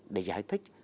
để giải thích